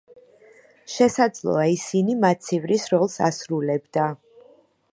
შესაძლოა, ისინი მაცივრის როლს ასრულებდა.